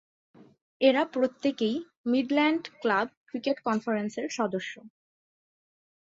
এরা প্রত্যেকেই "Midland club cricket conference" এর সদস্য।